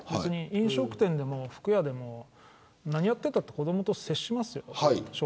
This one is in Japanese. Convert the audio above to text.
飲食店でも服屋でも何をやっていたって子どもと接しますよ。